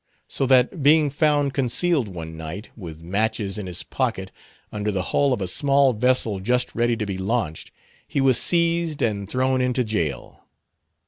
So that being found concealed one night, with matches in his pocket, under the hull of a small vessel just ready to be launched, he was seized and thrown into jail.